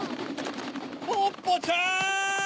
ポッポちゃん！